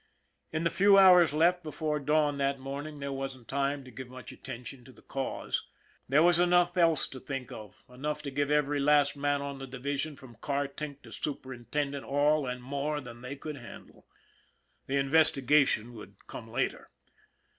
In the few hours left before dawn that morning, there wasn't time to give much attention to the cause. There was enough else to think of, enough to give every last man on the division from car tink to super intendent all, and more, than they could handle the investigation could come later.